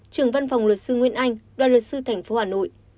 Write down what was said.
trưởng văn phòng luật sư nguyễn anh đoàn luật sư thành phố hà nội